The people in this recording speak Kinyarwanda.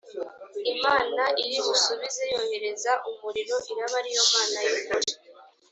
imana iri busubize yohereza umuriro iraba ari yo mana y’ukuri